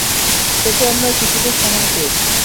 এতে আমরা কিছুটা সময় পেয়েছি।